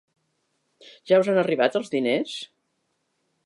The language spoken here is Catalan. Ja us han arribat els diners?